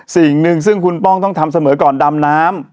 สิ่งหนึ่งซึ่งคุณป้องต้องทำเสมอก่อนดำน้ำ